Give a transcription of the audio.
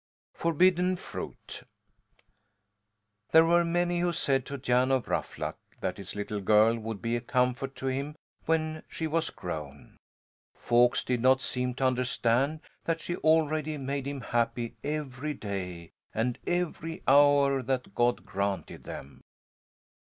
FORBIDDEN FRUIT There were many who said to Jan of Ruffluck that his little girl would be a comfort to him when she was grown. Folks did not seem to understand that she already made him happy every day and every hour that God granted them.